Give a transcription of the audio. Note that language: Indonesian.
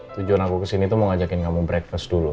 tujuan aku kesini tuh mau ngajakin kamu breakfast dulu